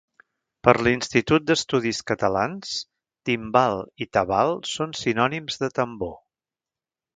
Per l'Institut d'Estudis Catalans, timbal i tabal són sinònims de tambor.